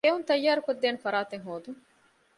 ކެއުން ތައްޔާރުކޮށްދޭނެ ފަރާތެއް ހޯދުން